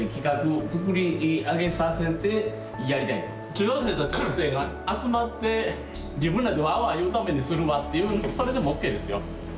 中学生が集まって自分らでワーワー言うためにするわっていうそれでもＯＫですよ。